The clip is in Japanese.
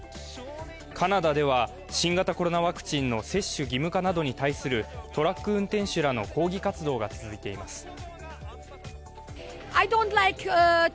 カナダでは新型コロナワクチンの接種義務化などに対するトラック運転手らの抗議活動が続いています。